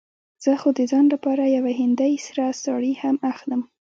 زه خو د ځان لپاره يوه هندۍ سره ساړي هم اخلم.